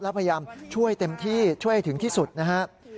แล้วพยายามช่วยเต็มที่ช่วยให้ถึงที่สุดนะครับ